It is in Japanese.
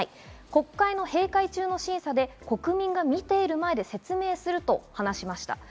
国会の閉会中の審査で国民が見ている前で説明すると話しました。